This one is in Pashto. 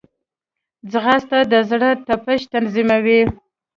ځغاسته د زړه تپش تنظیموي